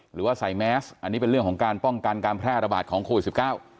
หรือว่าใส่แมสอันนี้เป็นเรื่องของการป้องกันการแพร่ระบาดของโควิดสิบเก้า